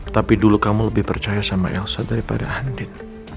tapi dulu kamu lebih percaya sama elsa daripada handi